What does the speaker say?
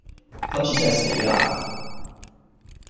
今次真係死啦